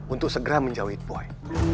untuk segera menjauhi boy